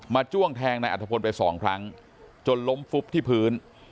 จ้วงแทงนายอัฐพลไปสองครั้งจนล้มฟุบที่พื้น